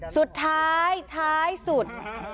สุดท้ายท้ายสุด